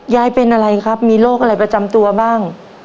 ยายเป็นอะไรครับมีโรคอะไรประจำตัวบ้าง